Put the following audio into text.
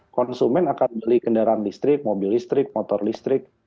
konsumen akan beli kendaraan listrik mobil listrik motor listrik